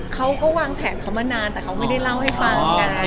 เขาก็วางแผนเขามานานแต่เขาไม่ได้เล่าให้ฟังไง